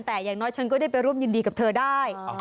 แต่อย่างน้อยฉันก็ได้ไปร่วมยินดีกับเธอได้